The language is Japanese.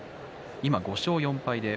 今、５勝４敗です。